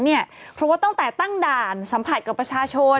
เพราะว่าตั้งแต่ตั้งด่านสัมผัสกับประชาชน